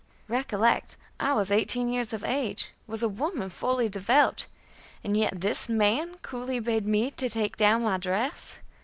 Recollect, I was eighteen years of age, was a woman fully developed, and yet this man coolly bade me take down my dress.